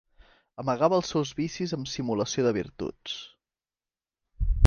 Amagava els seus vicis amb simulació de virtuts.